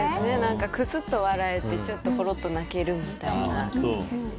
くすっと笑えてちょっとほろっと泣けるみたいな。